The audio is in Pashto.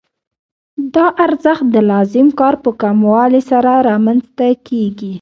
دا ارزښت د لازم کار په کموالي سره رامنځته کېږي